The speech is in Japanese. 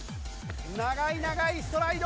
長い長いストライド。